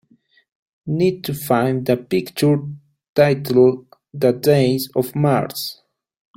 Need to find the picture titled The Days of Mars